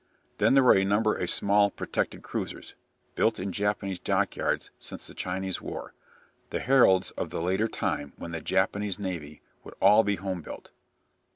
Then there were a number of small protected cruisers, built in Japanese dockyards since the Chinese war, the heralds of the later time when the Japanese navy would all be home built.